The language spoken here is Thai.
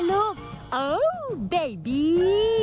พบเป็นแม่ลูกโอ้เบบี